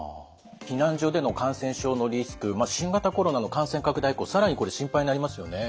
避難所での感染症のリスク新型コロナの感染拡大以降更にこれ心配になりますよね。